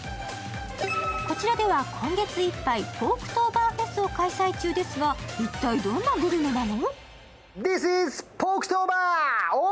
こちらでは今月いっぱいポークトーバーフェスを開催中ですが一体どんなグルメなの？